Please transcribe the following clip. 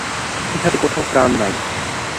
ইহাতে কোথাও প্রাণ নাই।